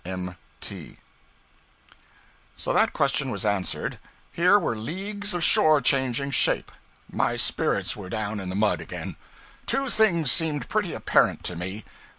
M.T.]} So that question was answered. Here were leagues of shore changing shape. My spirits were down in the mud again. Two things seemed pretty apparent to me.